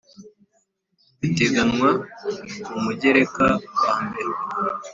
biteganywa mu mugereka wa mbere